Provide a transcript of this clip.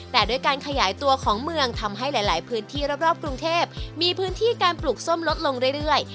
แต่ด้วยการขยายตัวของเมืองทำให้หลายพื้นที่รอบกรุงเทพมีพื้นที่การปลูกส้มลดลงเรื่อย